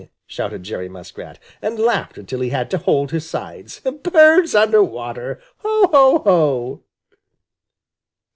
shouted Jerry Muskrat, and laughed until he had to hold his sides. "Birds under water! Ho, ho, ho!"